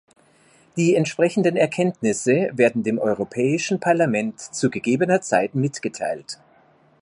Die entsprechenden Erkenntnisse werden dem Europäischen Parlament zu gegebener Zeit mitgeteilt.